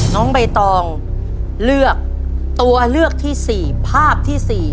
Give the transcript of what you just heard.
น้องใบตองเลือกตัวเลือกที่๔ภาพที่๔